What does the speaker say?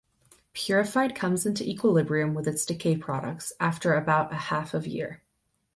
Purified comes into equilibrium with its decay products after about a half of year.